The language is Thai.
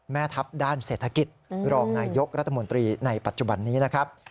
แม่ทัพด้านเศรษฐกิจรองนายยกรัฐมนตรีในปัจจุบันนี้นะครับ